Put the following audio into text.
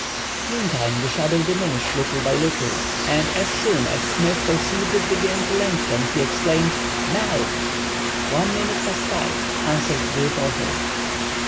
Meantime the shadow diminished little by little, and as soon as Smith perceived it begin to lengthen he exclaimed:— "Now!" "One minute past 5," answered the reporter.